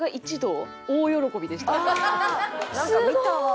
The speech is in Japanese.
ああなんか見たわ！